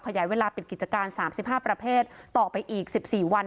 ขยายเวลาปิดกิจการ๓๕ประเภทต่อไปอีก๑๔วัน